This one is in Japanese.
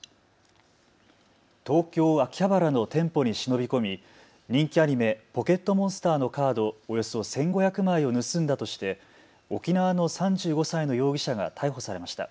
東京秋葉原の店舗に忍び込み人気アニメ、ポケットモンスターのカードおよそ１５００枚を盗んだとして沖縄の３５歳の容疑者が逮捕されました。